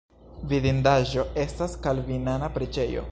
Vidindaĵo estas kalvinana preĝejo.